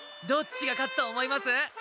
どっちが勝つと思います？